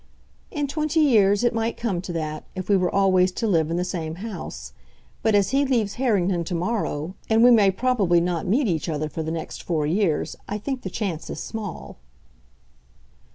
"In twenty years it might come to that, if we were always to live in the same house; but as he leaves Harrington to morrow, and we may probably not meet each other for the next four years, I think the chance is small."